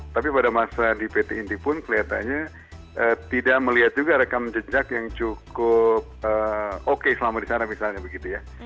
tapi pada masa di pt inti pun kelihatannya tidak melihat juga rekam jejak yang cukup oke selama di sana misalnya begitu ya